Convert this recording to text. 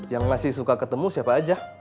yang masih suka ketemu siapa aja